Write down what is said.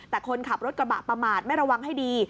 แต่คนขับรถกระบะประมาทไม่ระวังให้ดี